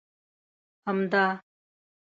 همدا!